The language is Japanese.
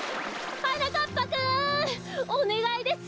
はなかっぱくんおねがいです！